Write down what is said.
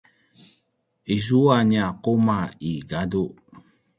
izua nia quma i gadu